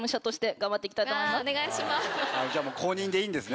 お願いします。